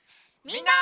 みんな！